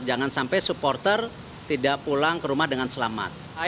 jangan sampai supporter tidak pulang ke rumah dengan selamat